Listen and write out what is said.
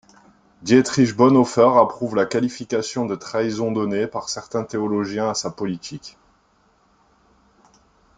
Dietrich Bonhoeffer approuve la qualification de trahison donnée par certains théologiens à sa politique.